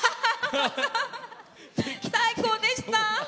最高でした。